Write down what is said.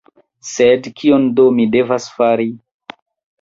Sed kion do mi devas fari?